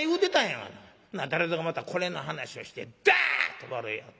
ほな誰ぞがまたこれの話をしてダッと笑いよったがな。